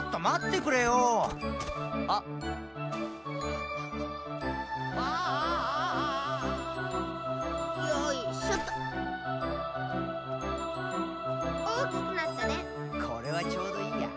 これはちょうどいいや。